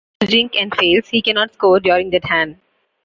If he elects to jink and fails, he cannot score during that hand.